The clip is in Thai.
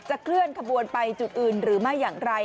เคลื่อนขบวนไปจุดอื่นหรือไม่อย่างไร